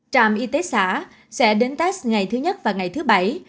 trạm y tế xã sẽ đến test ngày thứ nhất và ngày thứ bảy